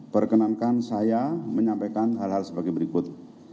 perkenankan saya menyampaikan hal hal sebagai berikut